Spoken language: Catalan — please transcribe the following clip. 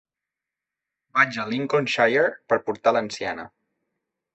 Vaig a Lincolnshire per portar l'anciana.